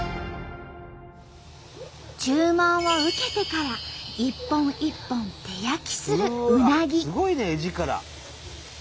注文を受けてから一本一本手焼きするうなぎ。